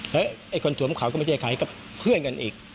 แล้วไอ้คนสวมเขาก็ไม่ใช่ใครก็เพื่อนกันอีก